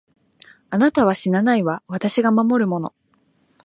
あなたは死なないわ、私が守るもの。